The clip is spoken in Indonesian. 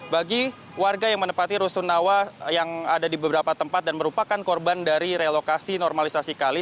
bagi warga yang menempati rusunawa yang ada di beberapa tempat dan merupakan korban dari relokasi normalisasi kali